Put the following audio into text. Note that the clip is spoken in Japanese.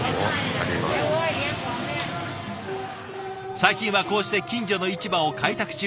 最近はこうして近所の市場を開拓中。